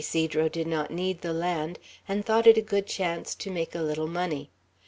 Ysidro did not need the land, and thought it a good chance to make a little money.